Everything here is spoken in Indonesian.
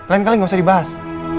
lain kali gak usah dibahas